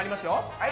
はい。